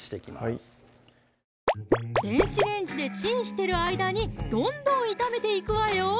はい電子レンジでチンしてる間にどんどん炒めていくわよ